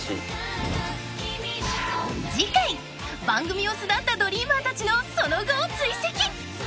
［番組を巣立ったドリーマーたちのその後を追跡］